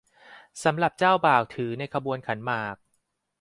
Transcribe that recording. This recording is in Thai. สำหรับเจ้าบ่าวถือในขบวนขันหมาก